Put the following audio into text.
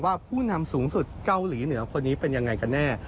ผู้นำสูงสุดเกาหลีเหนือคนนี้เป็นยังไงกันแน่